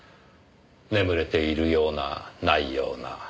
眠れているようなないような。